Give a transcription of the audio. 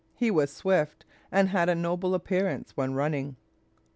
He was swift, and had a noble appearance when running."